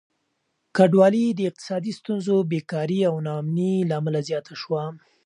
کډوالي د اقتصادي ستونزو، بېکاري او ناامني له امله زياته شوه.